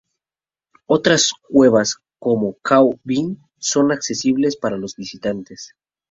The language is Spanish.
Otras cuevas como Khao Bin son accesibles para los visitantes.